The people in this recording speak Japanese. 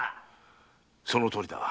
そのとおりだ。